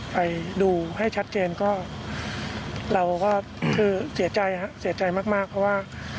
ไปดูให้ชัดเจนก็เราก็คือเสียใจครับเสียใจมากเพราะว่า